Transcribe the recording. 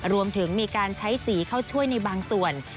รวมถึงมีการใช้สีเข้าช่วยในบางส่วน